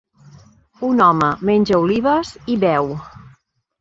Un home menja olives i beu.